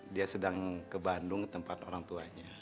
dia sedang ke bandung ke tempat orang tuanya